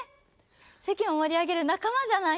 世間を盛り上げる仲間じゃないの。